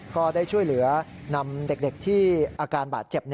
ก็ได้ช่วยเหลือนำเด็กที่อาการบาดเจ็บ